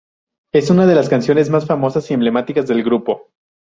Es una de las canciones más famosas y emblemáticas del grupo.